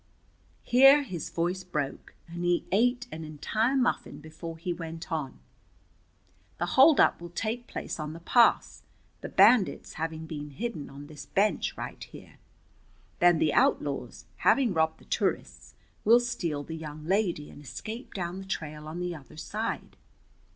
Here his voice broke, and he ate an entire muffin before he went on: "The holdup will take place on the pass, the bandits having been hidden on this 'bench' right here. Then the outlaws, having robbed the tourists, will steal the young lady and escape down the trail on the other side.